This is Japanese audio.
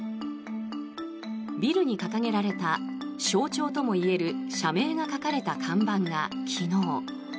ビルに掲げられた象徴ともいえる社名が書かれた看板が昨日。